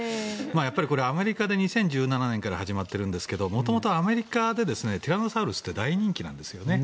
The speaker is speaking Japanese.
アメリカで２０１７年から始まっているんですが元々、アメリカでティラノサウルスって大人気なんですよね。